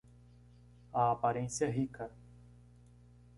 A aparência rica